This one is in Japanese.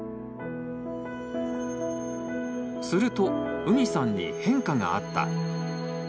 するとうみさんに変化があった。